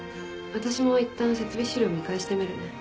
私もいったん設備資料見返してみるね。